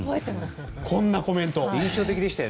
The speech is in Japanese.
こんなコメント。